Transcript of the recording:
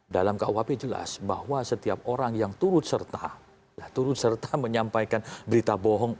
dalam kuhp jelas bahwa setiap orang yang turut serta turut serta menyampaikan berita bohong